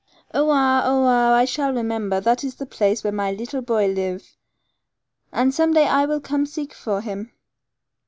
'Oh ah, oh ah I shall remember; that is the place where my leetle boy live, and some day I will come seek for him.